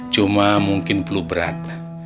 cuma mungkin pelu berat